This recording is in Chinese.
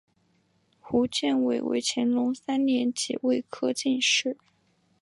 胡建伟为乾隆三年己未科进士。